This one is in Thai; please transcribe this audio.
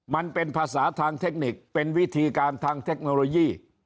มันเป็นภาษาทางเทคนิคเป็นวิธีการทางเทคโนโลยี